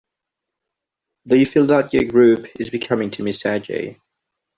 Do you feel that your group is becoming too messagey?